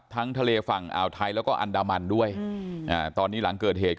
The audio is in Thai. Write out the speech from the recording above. ทั้งทะเลฝั่งอ่าวไทยแล้วก็อันดามันด้วยอืมอ่าตอนนี้หลังเกิดเหตุ